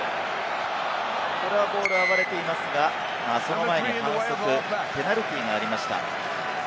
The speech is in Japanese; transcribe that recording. これはボールが暴れていますが、その前に反則、ペナルティーがありました。